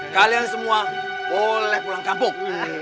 kalian semua boleh pulang kampung